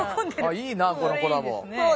あいいなあこのコラボ。